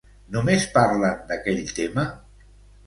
Només parlen d'aquell tema?